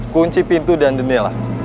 kunci pintu dan jendela